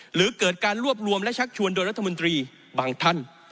หรือเกิดการรวบรวมและชักชวนโดยรัฐมนตรีบางท่าน